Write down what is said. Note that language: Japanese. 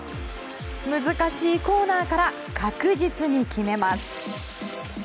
難しいコーナーから確実に決めます。